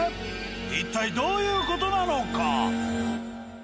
一体どういう事なのか。